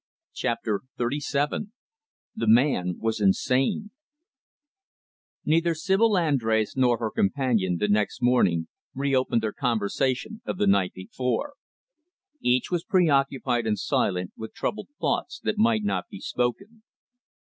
Chapter XXXVII The Man Was Insane Neither Sibyl Andrés nor her companion, the next morning, reopened their conversation of the night before. Each was preoccupied and silent, with troubled thoughts that might not be spoken.